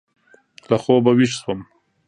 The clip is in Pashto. له خوبه وېښ شوم.